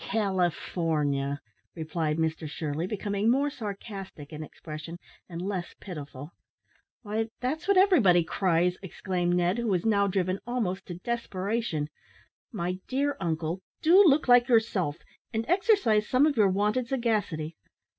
"California," replied Mr Shirley, becoming more sarcastic in expression and less pitiful. "Why, that's what everybody cries," exclaimed Ned, who was now driven almost to desperation. "My dear uncle, do look like yourself and exercise some of your wonted sagacity.